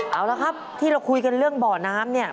เอาละครับที่เราคุยกันเรื่องบ่อน้ำเนี่ย